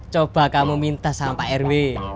coba kamu minta sama pak rw